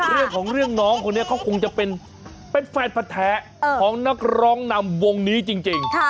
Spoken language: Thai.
เรื่องของเรื่องน้องคนนี้เขาคงจะเป็นแฟนพัดแท้ของนักร้องนำวงนี้จริง